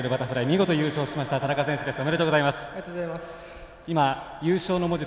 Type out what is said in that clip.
見事、優勝しました田中選手です。